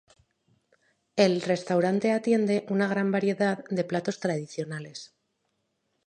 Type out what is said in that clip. El restaurante atiende una gran variedad de platos tradicionales.